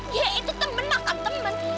dia itu temen makan temen